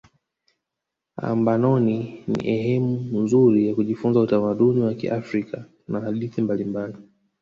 ambanoni ni ehemu nzuri ya kujifunza utamaduni wa kiafrika na hadithi mbalimbali